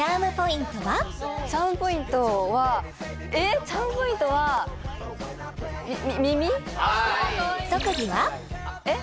チャームポイントはえっチャームポイントはえっ？